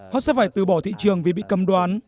họ sẽ phải từ bỏ thị trường vì bị cấm đoán